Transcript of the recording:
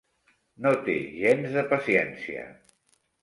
No té gens de paciència.